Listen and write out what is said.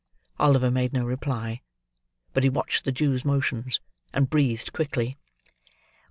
Oliver made no reply. But he watched the Jew's motions, and breathed quickly.